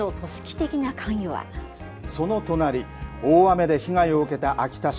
その隣、大雨で被害を受けた秋田市。